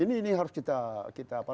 ini harus kita